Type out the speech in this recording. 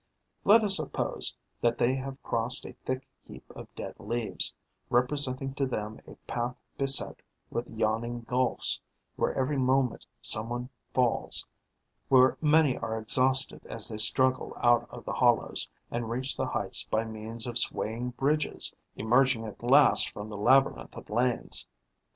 Let us suppose that they have crossed a thick heap of dead leaves, representing to them a path beset with yawning gulfs, where every moment some one falls, where many are exhausted as they struggle out of the hollows and reach the heights by means of swaying bridges, emerging at last from the labyrinth of lanes.